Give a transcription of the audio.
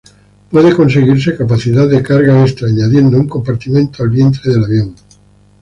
Puede conseguirse capacidad de carga extra añadiendo un compartimento al vientre del avión.